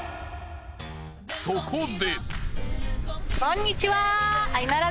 そこで。